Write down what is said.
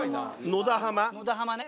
野田浜ね。